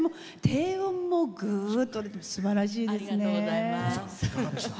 低音も、ぐーっと出てすばらしいですね。